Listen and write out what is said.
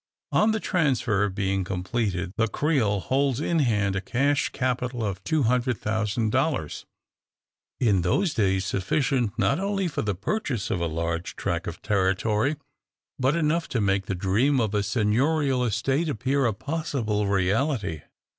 On the transfer being completed, the Creole holds in hand a cash capital of $200,000; in those days sufficient not only for the purchase of a large tract of territory, but enough to make the dream of a seignorial estate appear a possible reality.